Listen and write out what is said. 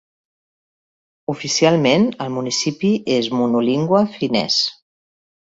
Oficialment, el municipi és monolingüe finès.